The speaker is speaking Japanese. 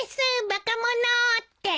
「バカ者」って。